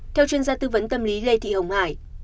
theo chuyên gia tư vấn tâm lý lê thị hồng hải